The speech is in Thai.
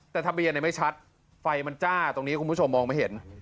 แต่ทะเบียนไม่ชัดไฟมันจ้าตรงนี้คุณผู้ชมมองไม่เห็น